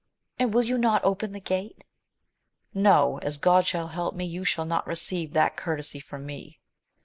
— And will you not open the gate ?— No ! as God shall help me you shall not receive that courtesy from me.